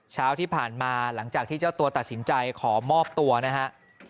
เช้าที่ผ่านมาหลังจากที่เจ้าตัวตัดสินใจขอมอบตัวนะฮะ